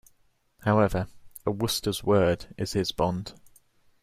However, a Wooster's word is his bond.